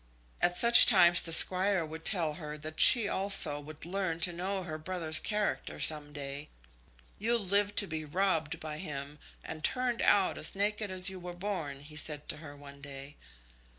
At such times the Squire would tell her that she also would learn to know her brother's character some day. "You'll live to be robbed by him, and turned out as naked as you were born," he said to her one day.